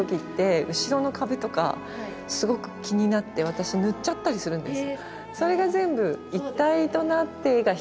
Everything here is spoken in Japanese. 私塗っちゃったりするんです。